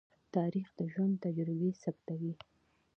تاریخ د ژوند تجربې ثبتوي.